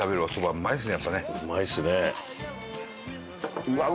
うまいですね。